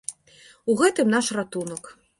У гэтым наш ратунак!